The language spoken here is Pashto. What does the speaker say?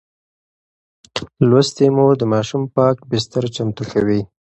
لوستې مور د ماشوم پاک بستر چمتو کوي.